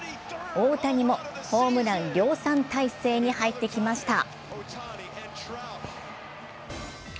大谷もホームラン量産態勢に入ってきました。